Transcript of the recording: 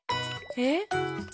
えっ？